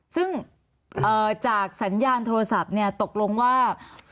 ซึ่งจากสัญญาณโทรศัพท์เนี่ยตกลงว่า